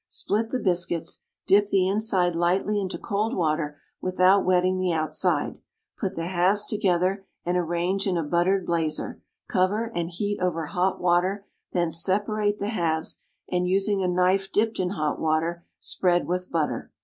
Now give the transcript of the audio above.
Split the biscuits, dip the inside lightly into cold water without wetting the outside, put the halves together, and arrange in a buttered blazer; cover, and heat over hot water; then separate the halves, and, using a knife dipped in hot water, spread with butter.